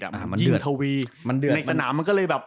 ยิ่งทะวีในสนามมันก็เลย